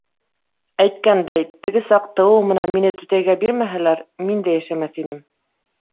Әйткәндәй, теге саҡ тыуыу менән мине түтәйгә бирмәһәләр, мин дә йәшәмәҫ инем.